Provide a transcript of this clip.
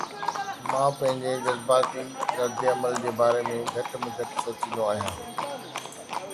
مان پنهنجي جذباتي ردعمل جي باري ۾ گهٽ ۾ گهٽ سوچيندو آهيان